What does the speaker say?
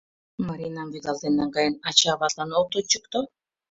Маринам вӱдалтен наҥгаен, ача-аватлан от ончыкто.